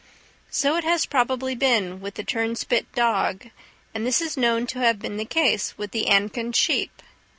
So it has probably been with the turnspit dog; and this is known to have been the case with the ancon sheep.